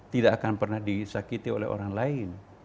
tidak akan pernah disakiti oleh orang lain